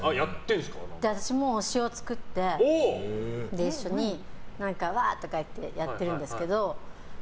私も推しを作って一緒にわーとか言ってやってるんですけど。